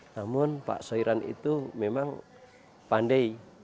namun pak soiran itu memang pandai